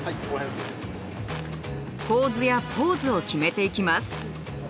構図やポーズを決めていきます。